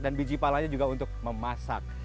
dan biji palanya juga untuk memasak